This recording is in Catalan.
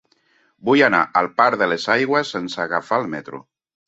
Vull anar al parc de les Aigües sense agafar el metro.